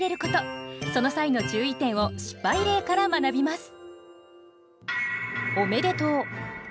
その際の注意点を失敗例から学びます。